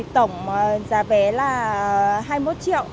tổng giá vé là hai mươi một triệu